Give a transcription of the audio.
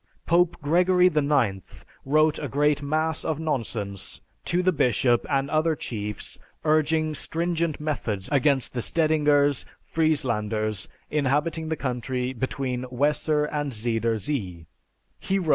Pope Gregory IX wrote a great mass of nonsense to the bishop and other chiefs urging stringent methods against the Stedingers, Frieslanders, inhabiting the country between Weser and Zeider Zee.